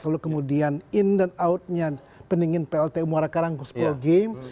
lalu kemudian in dan outnya peningin plt umarakarang sepuluh g